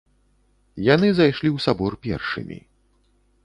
Яны зайшлі ў сабор першымі.